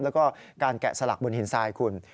แล้วก็การแกะสลักบนหินทรายคุณ